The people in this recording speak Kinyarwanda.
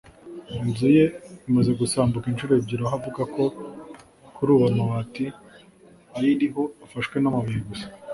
inzu ye imaze gusambuka inshuro ebyiri aho avuga ko kuri ubu amabati ayiriho afashwe n’amabuye gusa